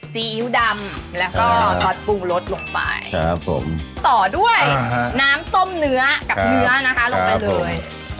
ซีอิ๊วดำแล้วก็ซอสปรุงรสลงไปครับผมต่อด้วยน้ำต้มเนื้อกับเนื้อนะคะลงไปเลย